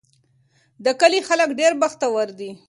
د کلي خلک ډېر بختور دي.